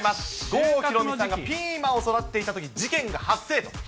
郷ひろみさんがピーマンを育てていたとき、事件が発生と。